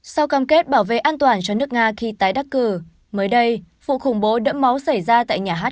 sau cam kết bảo vệ an toàn cho nước nga khi tái đắc cử mới đây vụ khủng bố đẫm máu xảy ra tại nhà hát